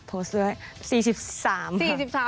โทสด์ด้วย๔๓ค่ะ